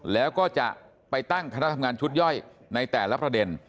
แล้วก็จะไปตั้งคณะทำงานชุดย่อยในแต่ละประเด็น